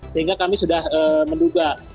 sehingga kami sudah menduga